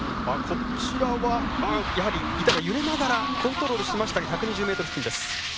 やはり板が揺れながらコントロールしましたが１２０ｍ付近です。